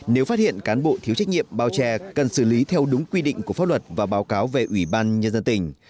nếu phát hiện cán bộ thiếu trách nhiệm bao che cần xử lý theo đúng quy định của pháp luật và báo cáo về ủy ban nhân dân tỉnh